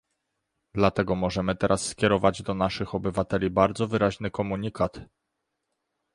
Dlatego możemy teraz skierować do naszych obywateli bardzo wyraźny komunikat